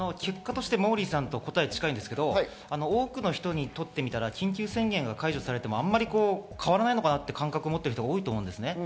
モーリーさんと答えが近いんですけど、多くの人にとってみたら緊急事態宣言が解除されてもあまり変わらないのかなという感覚を持ってる人が多いと思います。